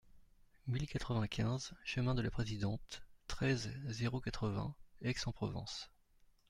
mille quatre-vingt-quinze chemin de la Présidente, treize, zéro quatre-vingts, Aix-en-Provence